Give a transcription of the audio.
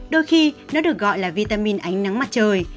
đôi khi nó được gọi là vitamin ánh nắng mặt trời